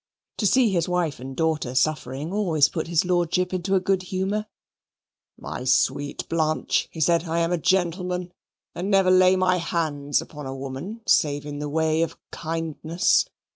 To see his wife and daughter suffering always put his Lordship into a good humour. "My sweet Blanche," he said, "I am a gentleman, and never lay my hand upon a woman, save in the way of kindness.